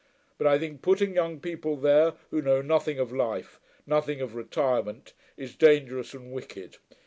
But I think putting young people there, who know nothing of life, nothing of retirement, is dangerous and wicked.